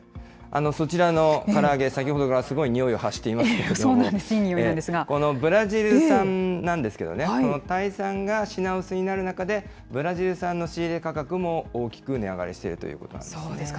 そちらのから揚げ、先ほどからすそうなんです、いい匂いなんこのブラジル産なんですけどね、このタイ産が品薄になる中で、ブラジル産の仕入れ価格も大きく値上がりしているということなんですね。